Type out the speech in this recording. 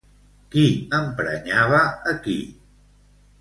Qui emprenyava a qui?